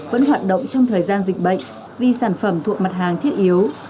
vẫn hoạt động trong thời gian dịch bệnh vì sản phẩm thuộc mặt hàng thiết yếu